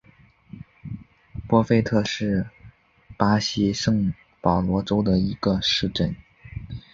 博费特是巴西圣保罗州的一个市镇。